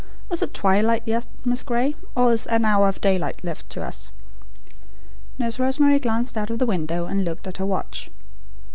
Is it twilight yet, Miss Gray, or is an hour of daylight left to us?" Nurse Rosemary glanced out of the window and looked at her watch.